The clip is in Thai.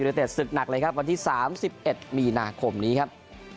อยู่ในเศรษฐ์ศึกหนักเลยครับวันที่๓๑มีนาคมนี้ครับ